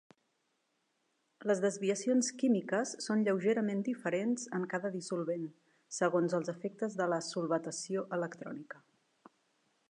Les desviacions químiques són lleugerament diferents en cada dissolvent, segons els efectes de la solvatació electrònica.